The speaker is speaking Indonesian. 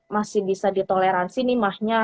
masih bisa ditoleransi nih mahnya